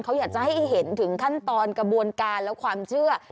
เขาอยากจะให้เห็นถึงขั้นตอนกระบวนการและความเชื่อ